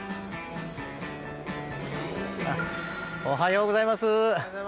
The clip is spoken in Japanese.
おはようございます。